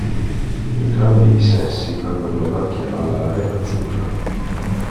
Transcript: Entrambi i sessi hanno una macchia alare azzurra.